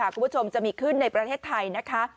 คุณผู้ชมจะมีขึ้นในประเทศไทยนะคะ